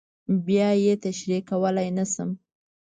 بیا یې تشریح کولی نه شم.